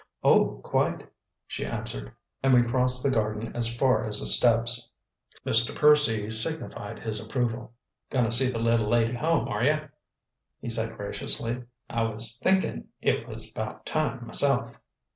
"Oh, quite," she answered, and we crossed the garden as far as the steps. Mr. Percy signified his approval. "Gunna see the little lady home, are you?" he said graciously. "I was THINKIN' it was about time, m'self!"